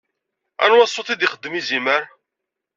Anwa ṣṣut i d-ixeddem yizimer?